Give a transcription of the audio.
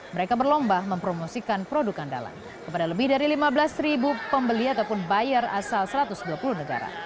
mereka berlomba mempromosikan produk andalan kepada lebih dari lima belas ribu pembeli ataupun buyer asal satu ratus dua puluh negara